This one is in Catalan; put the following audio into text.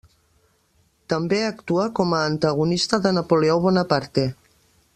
També actua com a antagonista de Napoleó Bonaparte.